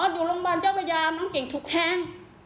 อยู่โรงพยาบาลเจ้าพระยาน้องเก่งถูกแทง